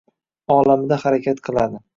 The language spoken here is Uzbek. olamida harakat qiladi.